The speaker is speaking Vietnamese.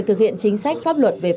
chuyên đề chín